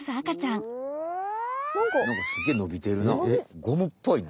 なんかすげえのびてるな。